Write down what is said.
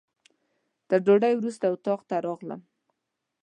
تر ډوډۍ وروسته اتاق ته راغلم.